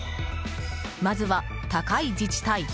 まずは高い自治体。